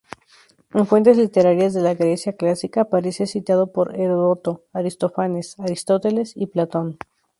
En fuentes literarias de la Grecia clásica, aparece citado por Heródoto, Aristófanes, Aristóteles, y Platón.